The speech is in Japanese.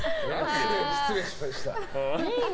失礼しました。